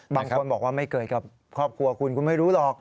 บางคนบอกว่าไม่เกิดกับครอบครัวคุณคุณไม่รู้หรอก